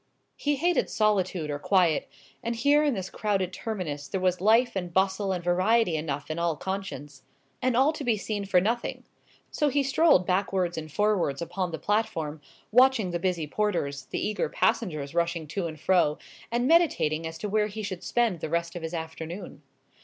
He hated solitude or quiet; and here in this crowded terminus there was life and bustle and variety enough in all conscience; and all to be seen for nothing: so he strolled backwards and forwards upon the platform, watching the busy porters, the eager passengers rushing to and fro, and meditating as to where he should spend the rest of his afternoon.